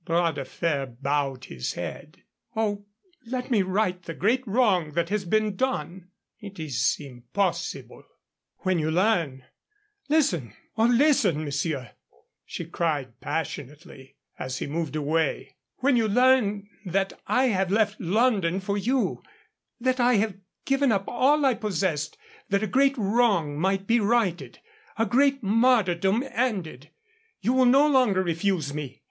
Bras de Fer bowed his head. "Oh, let me right the great wrong that has been done " "It is impossible " "When you learn Listen, oh, listen, monsieur!" she cried, passionately, as he moved away. "When you learn that I have left London for you; that I have given up all I possessed that a great wrong might be righted, a great martyrdom ended, you will no longer refuse me."